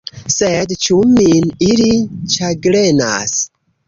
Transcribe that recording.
Sed ĉu Min ili ĉagrenas?